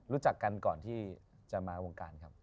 รู้จักกันก่อนที่จะมาวงการครับ